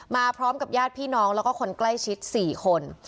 มาพร้อมกับญาติพี่น้องแล้วก็คนใกล้ชิด๔คน